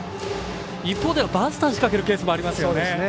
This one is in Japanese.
一方でバスターを仕掛けるケースもありますよね。